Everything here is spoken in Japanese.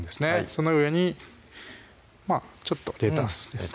その上にちょっとレタスですね